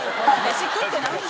飯食ってないんじゃ。